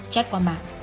chat qua mạng